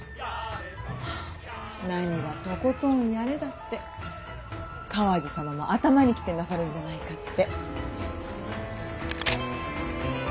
何が「トコトンヤレ」だって川路様も頭にきてなさるんじゃないかって。